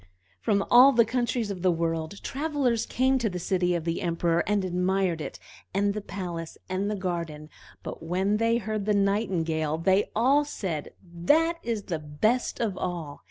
From all the countries of the world travelers came to the city of the Emperor, and admired it, and the palace, and the garden; but when they heard the Nightingale, they all said, "That is the best of all!"